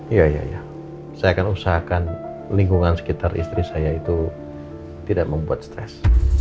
iya iya saya akan usahakan lingkungan sekitar istri saya itu tidak membuat stres